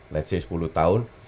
let's say sepuluh tahun